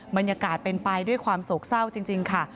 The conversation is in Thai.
บรรยากาศเป็นไปด้วยความโศกเศร้าจริงค่ะ